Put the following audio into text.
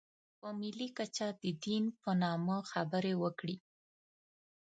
په ملي کچه د دین په نامه خبرې وکړي.